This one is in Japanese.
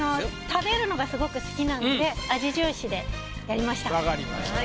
食べるのがすごく好きなので分かりました。